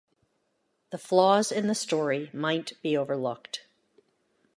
The flaws in the story might be overlooked.